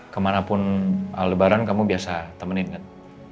kemanapun lebaran kamu biasa temenin kan